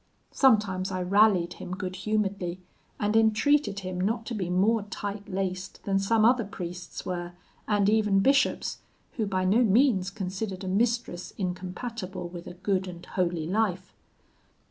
Sometimes I rallied him good humouredly, and entreated him not to be more tight laced than some other priests were, and even bishops, who by no means considered a mistress incompatible with a good and holy life.'